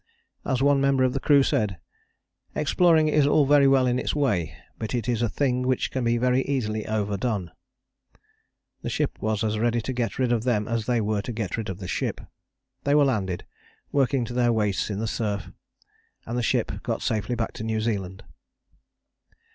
As one member of the crew said: "Exploring is all very well in its way, but it is a thing which can be very easily overdone." The ship was as ready to get rid of them as they were to get rid of the ship. They were landed, working to their waists in the surf, and the ship got safely back to New Zealand.